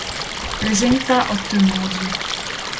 Presenta otto emoji.